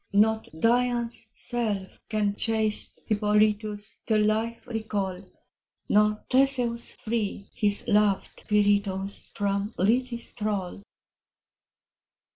Not Dian's self can chaste Hippolytus To life recall, Nor Theseus free his loved Pirithous From Lethe's thrall.